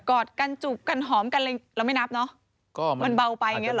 อดกันจูบกันหอมกันอะไรเราไม่นับเนอะก็มันเบาไปอย่างเงี้เหรอ